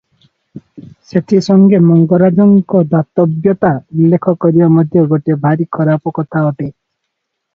ସେଥି ସଙ୍ଗେ ମଙ୍ଗରାଜଙ୍କ ଦାତବ୍ୟତା ଉଲ୍ଲେଖ କରିବା ମଧ୍ୟ ଗୋଟିଏ ଭାରି ଖରାପ କଥା ଅଟେ ।